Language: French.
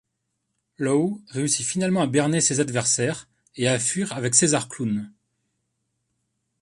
Law réussit finalement à berner ses adversaires et à fuir avec César Clown.